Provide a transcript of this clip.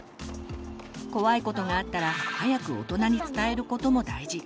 怖いことがあったら早く大人に伝えることも大事。